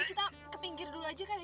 kita ke pinggir dulu aja kali